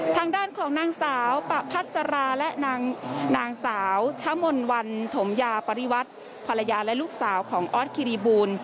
ทางด้านของนางสาวปะพัสราและนางสาวชะมนวันถมยาปริวัติภรรยาและลูกสาวของออสคิริบูล